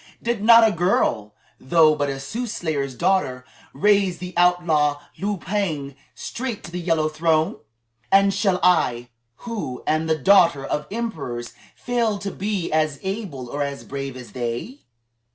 Did not a girl though but a soothsayer's daughter raise the outlaw Liu Pang straight to the Yellow Throne? And shall I, who am the daughter of emperors, fail to be as able or as brave as they?"